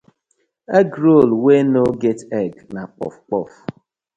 Egg roll wey no get egg na puff puff.